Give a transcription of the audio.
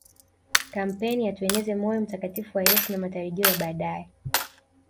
kampeni ya tueneze moyo mtakatifu wa Yesu na matarajio ya baadae